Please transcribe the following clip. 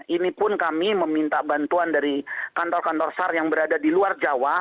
ini pun kami meminta bantuan dari kantor kantor sar yang berada di luar jawa